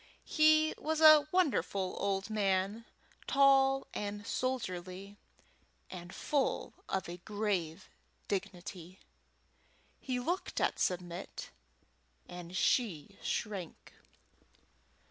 He was a wonderful old man, tall and soldierly, and full of a grave dignity. He looked at Submit, and she shrank.